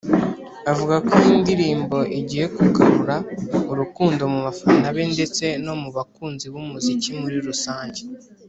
Avuga ko iyi ndirimbo igiye kugarura urukundo mu bafana be ndetse no mu bakunzi b’umuziki muri rusange